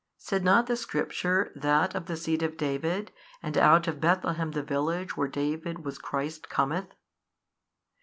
said not the Scripture that of the seed of David and out of Bethlehem the village where David was Christ cometh?